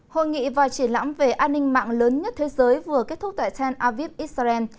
hội nghị và triển lãm về an ninh mạng lớn nhất thế giới vừa kết thúc tại tel aviv israel